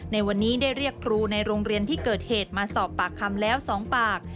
ในวันนี้ได้เรียกครูในโรงเรียนที่เกิดเหตุมาสอบปากคำแล้ว๒ปาก